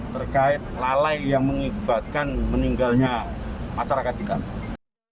terkait lalai yang mengibatkan meninggalnya masyarakat di kampung